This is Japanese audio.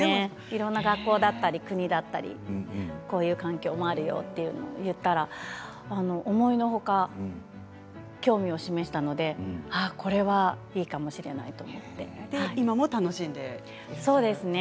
いろんな学校だったり国だったり、こういう環境もあるよというのを言ったら思いのほか興味を示したのでああ、これはいいかもしれないと今も楽しんでいるんですね。